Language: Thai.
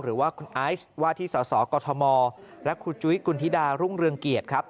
หรือว่าคุณไอซ์ว่าที่สสกมและครูจุ้ยกุณฑิดารุ่งเรืองเกียรติครับ